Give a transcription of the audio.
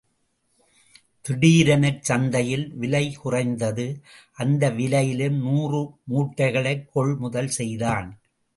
திடீரெனச் சந்தையில் விலை குறைந்தது அந்த வியிைலிலும் நூறு மூட்டைகளைக் கொள் முதல் செய்தான்.